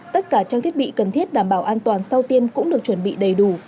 tất cả trang thiết bị cần thiết đảm bảo an toàn sau tiêm cũng được chuẩn bị đầy đủ